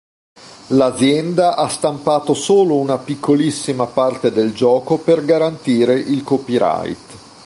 L'azienda ha stampato solo una piccolissima parte del gioco per garantire il copyright.